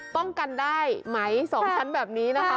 ป้องกันได้ไหม๒ชั้นแบบนี้นะคะ